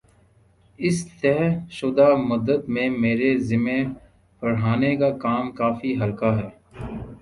اِس طےشدہ مدت میں میرے ذمے پڑھانے کا کام کافی ہلکا ہے